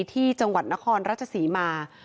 ที่จังหวัดนครราชศรีมา